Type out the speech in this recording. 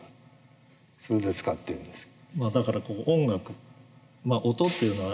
それで使ってるんですよ。